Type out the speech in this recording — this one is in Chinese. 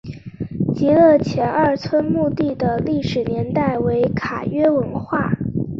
极乐前二村墓地的历史年代为卡约文化。